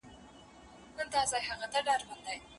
دلته مه راځۍ ښکاري تړلی لام دی